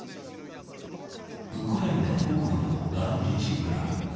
ウクライナ北部のナロジチ村。